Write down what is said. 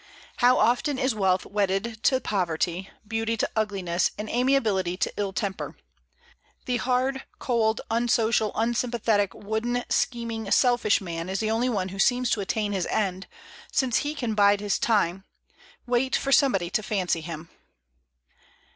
How often is wealth wedded to poverty, beauty to ugliness, and amiability to ill temper! The hard, cold, unsocial, unsympathetic, wooden, scheming, selfish man is the only one who seems to attain his end, since he can bide his time, wait for somebody to fancy him.